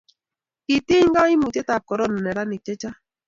kitiny kaimutietab korona neranik che chang'